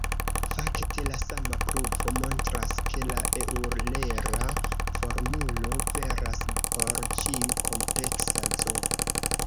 Fakte, la sama pruvo montras ke la eŭlera formulo veras por ĉiu kompleksa "z".